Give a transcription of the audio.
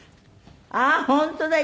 あっ本当だ！